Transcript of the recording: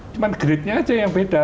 cuma gradenya aja yang beda